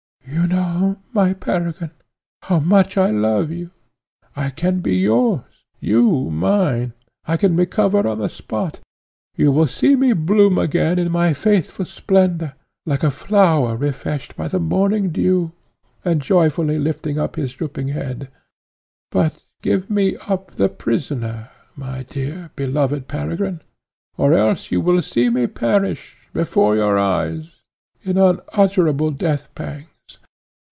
"You know, my Peregrine, how much I love you. I can be yours; you, mine, I can recover on the spot you will see me bloom again in my youthful splendour, like a flower refreshed by the morning dew, and joyfully lifting up his drooping head but give me up the prisoner, my dear, beloved Peregrine, or else you will see me perish, before your eyes, in unutterable death pangs.